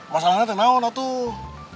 masalahnya kenapa tuh